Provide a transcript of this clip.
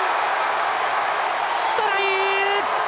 トライ！